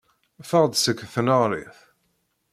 Ffeɣ-d seg tneɣrit.